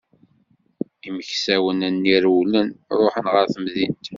Imeksawen-nni rewlen, ṛuḥen ɣer temdint.